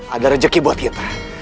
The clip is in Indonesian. ada rezeki buat kita